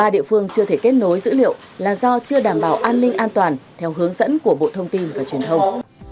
ba địa phương chưa thể kết nối dữ liệu là do chưa đảm bảo an ninh an toàn theo hướng dẫn của bộ thông tin và truyền thông